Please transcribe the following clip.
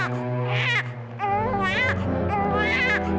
cantik muda dong cantik